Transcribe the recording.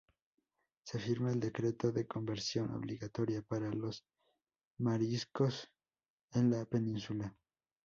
Se firma el decreto de conversión obligatoria para los moriscos en la península.